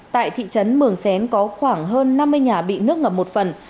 tại thị trấn mường xén có khoảng hơn năm mươi nhà bị nước ngập một phần